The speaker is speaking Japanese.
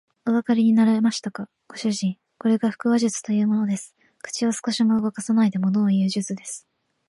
おわかりになりましたか、ご主人。これが腹話術というものです。口を少しも動かさないでものをいう術です。